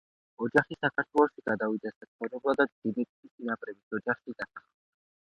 ოჯახი საქართველოში გადავიდა საცხოვრებლად და ძიმითში, წინაპრების ოჯახში დასახლდა.